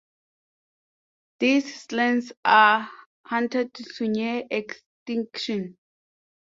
These Slans are hunted to near extinction.